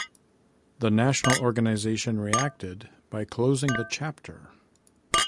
The national organization reacted by closing the chapter.